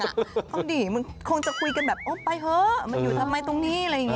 เอาดิมันคงจะคุยกันแบบไปเถอะมันอยู่ทำไมตรงนี้